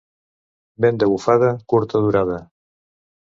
Vent de bufada, curta durada.